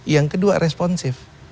yang kedua responsif